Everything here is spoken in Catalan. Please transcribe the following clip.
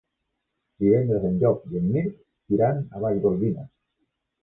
Divendres en Llop i en Mirt iran a Vallgorguina.